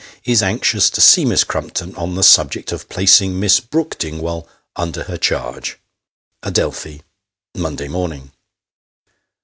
is anxious to see Miss Crumpton on the subject of placing Miss Brook Ding, vail under her charge. " Adelphi. " Monday morning."